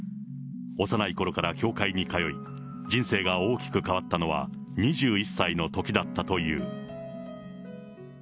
幼いころから教会に通い、人生が大きく変わったのは２１歳のときだったという。